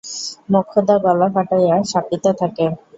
মোক্ষদা গলা ফাটাইয়া শাপিতে থাকে।